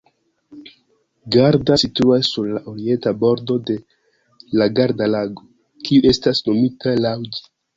Garda situas sur la orienta bordo de la Garda-Lago, kiu estas nomita laŭ ĝi.